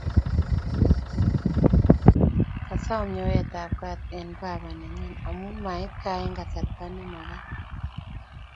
kasom nyowet ab kat eng' baba nenyin amun mait gaa eng kasarta nemagat